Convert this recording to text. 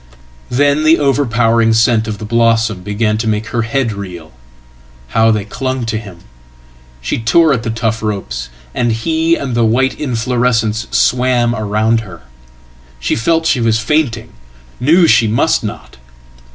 Then the overpowering scent of the blossom began to make her head reel. How they clung to him! She tore at the tough ropes, and he and the whiteinflorescence swam about her. She felt she was fainting, knew she mustnot.